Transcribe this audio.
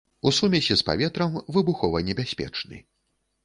У сумесі з паветрам выбухованебяспечны.